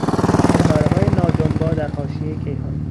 ستارههای ناجنبا در حاشیهی کیهان